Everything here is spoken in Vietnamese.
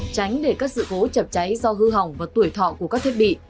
tránh để các sự cố chập cháy do hư hỏng và tuổi thọ của các thiết bị